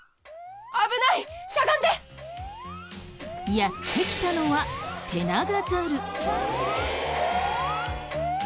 やって来たのはテナガザル。